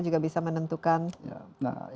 juga bisa menentukan nah